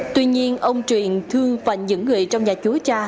tuy nhiên ông truyền thương và những người trong nhà chúa cha